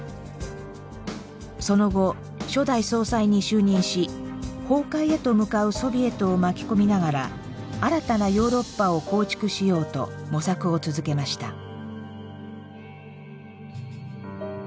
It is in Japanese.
その後初代総裁に就任し崩壊へと向かうソビエトを巻き込みながら新たなヨーロッパを構築しようと模索を続けました。